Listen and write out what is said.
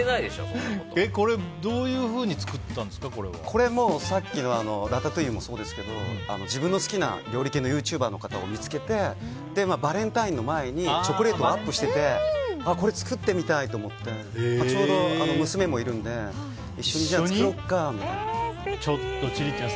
これ、どういうふうにこれもさっきのラタトゥイユもそうですけど自分の好きな料理系のユーチューバーの方を見つけてバレンタインの前にチョコレートをアップしててこれ作ってみたいと思ってちょうど娘もいるんでちょっと千里ちゃん